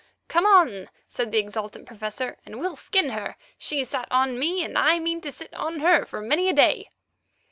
"Come on," said the exultant Professor, "and we'll skin her. She sat on me, and I mean to sit on her for many a day."